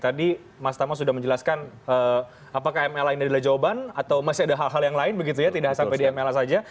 tadi mas tama sudah menjelaskan apakah mla ini adalah jawaban atau masih ada hal hal yang lain begitu ya tidak sampai di mla saja